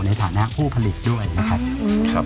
ในฐานะผู้ผลิตด้วยนะครับ